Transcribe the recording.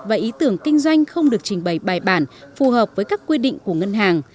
và ý tưởng kinh doanh không được trình bày bài bản phù hợp với các quy định của ngân hàng